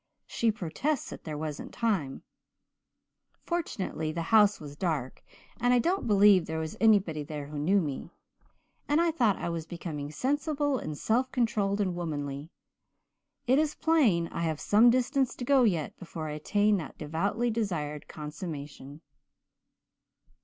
She protests that there wasn't time. "Fortunately the house was dark, and I don't believe there was anybody there who knew me. And I thought I was becoming sensible and self controlled and womanly! It is plain I have some distance to go yet before I attain that devoutly desired consummation."